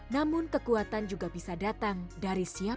namun kekuatan juga bisa datang dari siapa